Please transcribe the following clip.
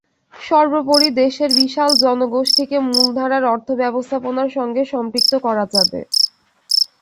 সর্বোপরি দেশের বিশাল জনগোষ্ঠীকে মূলধারার অর্থ ব্যবস্থাপনার সঙ্গে সম্পৃক্ত করা যাবে।